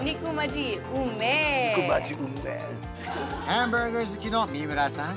ハンバーガー好きの三村さん